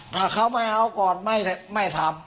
ถ้า้านังไว้ก่อนจะไม่ตาม